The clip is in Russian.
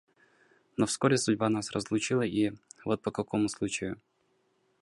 Но вскоре судьба нас разлучила, и вот по какому случаю.